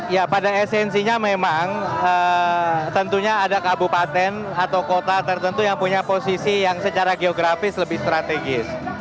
ya pada esensinya memang tentunya ada kabupaten atau kota tertentu yang punya posisi yang secara geografis lebih strategis